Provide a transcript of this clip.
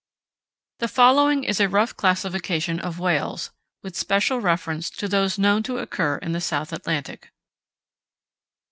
The following is a rough classification of whales, with special reference to those known to occur in the South Atlantic: 1.